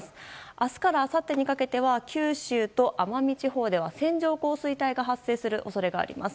明日からあさってにかけては九州と奄美地方では線状降水帯が発生する恐れがあります。